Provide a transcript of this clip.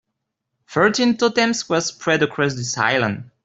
Thirteen totems were spread across this island.